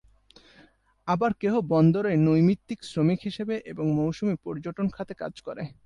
আবার কেহ বন্দরে নৈমিত্তিক শ্রমিক হিসেবে এবং মৌসুমি পর্যটন খাতে কাজ করে।